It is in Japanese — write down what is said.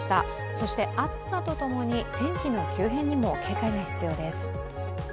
そして、暑さとともに天気の急変にも警戒が必要です。